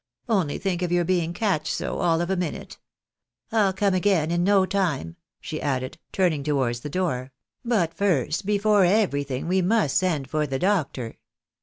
Only think of your being catched so, all of a minute! I'll come again in no time," she added, turning towards the door ;" but first, before everything, we must send for the doctor."